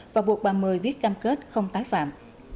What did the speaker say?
và buộc bà mười biết cam kết không tái phạm